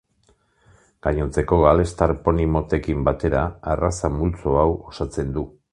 Gainontzeko galestar poni motekin batera, arraza multzo hau osatzen du.